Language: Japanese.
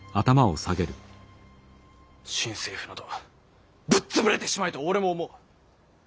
新政府などぶっ潰れてしまえと俺も思う。